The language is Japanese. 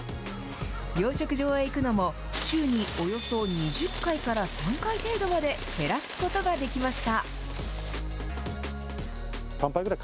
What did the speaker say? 養殖場へ行くのも、週におよそ２０回から３回程度まで減らすことができました。